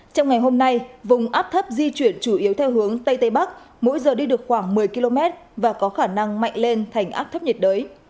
trong ngày hôm nay vùng áp thấp di chuyển chủ yếu theo hướng tây tây bắc mỗi giờ đi được khoảng một mươi km và có khả năng mạnh lên thành áp thấp nhiệt đới